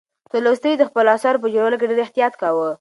تولستوی د خپلو اثارو په جوړولو کې ډېر احتیاط کاوه.